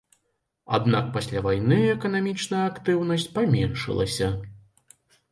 Аднак пасля вайны эканамічная актыўнасць паменшылася.